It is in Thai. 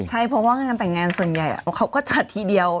ใช่เพราะว่างานแต่งงานส่วนใหญ่เขาก็จัดทีเดียว